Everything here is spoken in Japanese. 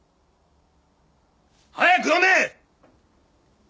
早く読め！